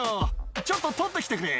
「ちょっと取ってきてくれ」